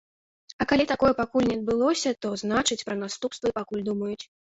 І калі гэтага пакуль не адбылося, то значыць, пра наступствы пакуль думаюць.